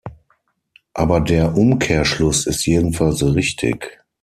Aber der Umkehrschluss ist jedenfalls richtig.